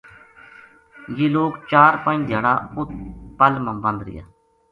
یہ لوک چار پنج دھیاڑا اُت پَل ما بند رہیا